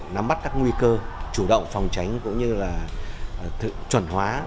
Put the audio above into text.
nắm bắt các nguy cơ chủ động phòng tránh cũng như là chuẩn hóa